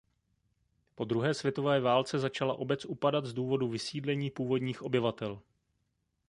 Po druhé světové válce začala obec upadat z důvodu vysídlení původních obyvatel.